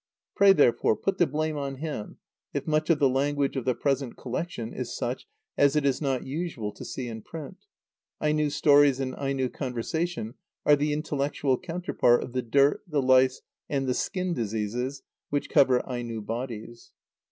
Pray, therefore, put the blame on him, if much of the language of the present collection is such as it is not usual to see in print. Aino stories and Aino conversation are the intellectual counterpart of the dirt, the lice, and the skin diseases which cover Aino bodies.